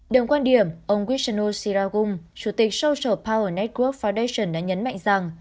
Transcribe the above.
đồng quan điểm ông wishanu siragung chủ tịch social power network foundation đã nhấn mạnh rằng